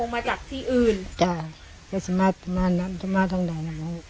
มาจากที่อื่นประมาณสัก๓๔วันที่ผ่านมาเนี่ยมันมีเหตุมีอะไรแถวนี้ไหม